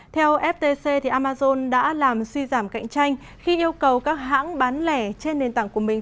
theo ftc amazon đã làm suy giảm cạnh tranh khi yêu cầu các hãng bán lẻ trên nền tảng của mình